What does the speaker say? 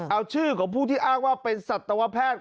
เอาชื่อของผู้ที่อ้างว่าเป็นสัตวแพทย์